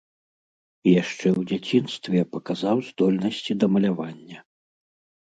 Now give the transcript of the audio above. Яшчэ ў дзяцінстве паказаў здольнасці да малявання.